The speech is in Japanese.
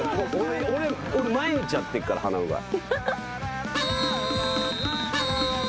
俺毎日やってっから鼻うがい。